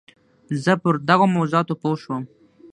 زه پر دغو موضوعاتو پوه شوم.